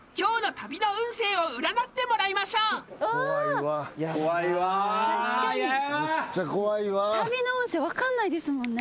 旅の運勢分かんないですもんね。